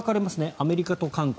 アメリカと韓国。